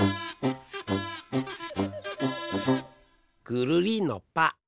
ぐるりんのぱ。